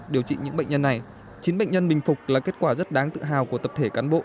điều trị những bệnh nhân này chín bệnh nhân bình phục là kết quả rất đáng tự hào của tập thể cán bộ